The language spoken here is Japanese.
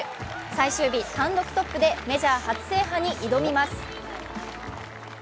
最終日、単独トップでメジャー初制覇に挑みます。